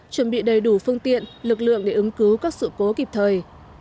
chuẩn bị đầy đủ phương tiện lực lượng để ứng cứu các sự cố kịp thời